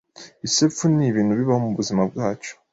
Isepfu ni ibintu bibaho mu buzima bwacu